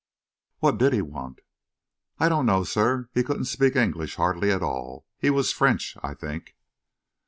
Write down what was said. "What did he want?" "I don't know, sir; he couldn't speak English hardly at all he was French, I think."